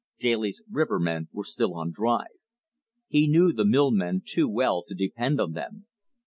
Daly's rivermen were still on drive. He knew the mill men too well to depend on them.